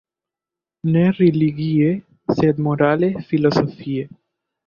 Ne religie, sed morale-filozofie.